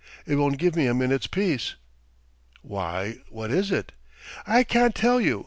It won't give me a minute's peace!" "Why, what is it?" "I can't tell you.